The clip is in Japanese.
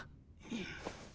うん。